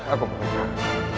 aku mau dengar